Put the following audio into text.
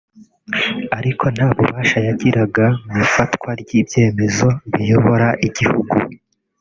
Ariko nta bubasha yagiraga mu ifatwa ry’ibyemezo biyobora igihugu